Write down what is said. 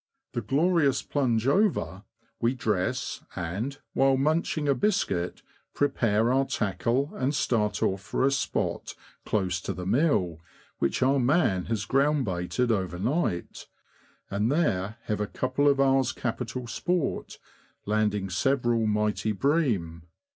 The glorious plunge over, we dress, and, while munching a biscuit, prepare our tackle, and THE ANT, TO NORTH WALSHAM AND CROMER. 187 start off for a spot close to the mill, which our man has ground baited overnight, and there have a couple of hours' capital sport, landing several mighty bream.